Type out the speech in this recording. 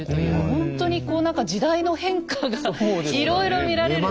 ほんとにこう何か時代の変化がいろいろ見られる。